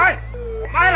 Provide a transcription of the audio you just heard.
お前ら！